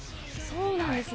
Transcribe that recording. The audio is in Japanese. そうなんですね。